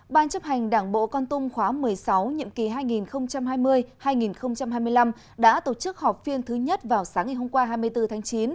ban chấp hành đảng bộ con tum khóa một mươi sáu nhiệm kỳ hai nghìn hai mươi hai nghìn hai mươi năm đã tổ chức họp phiên thứ nhất vào sáng ngày hôm qua hai mươi bốn tháng chín